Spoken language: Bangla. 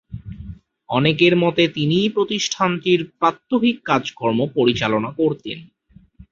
অনেকের মতে তিনিই প্রতিষ্ঠানটির প্রাত্যহিক কাজকর্ম পরিচালনা করতেন।